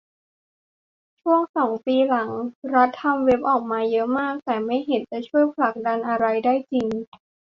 ช่วงสองปีหลัง รัฐทำเว็บออกมาเยอะมาก แต่ไม่เห็นมันจะช่วยผลักดันอะไรได้จริง